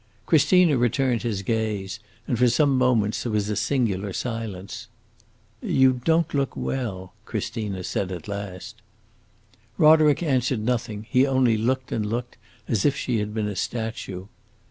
Christina returned his gaze, and for some moments there was a singular silence. "You don't look well!" Christina said at last. Roderick answered nothing; he only looked and looked, as if she had been a statue.